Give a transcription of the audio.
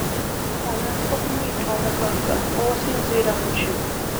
Omuntu okumuyita omugagga osinziira ku ki?